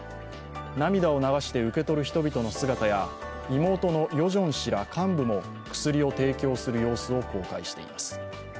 涙を流して受け取る人々の姿や、妹のヨジョン氏ら幹部も薬を提供する様子を公開しています。